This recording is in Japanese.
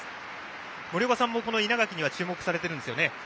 森岡さんも、稲垣には注目されているんですよね。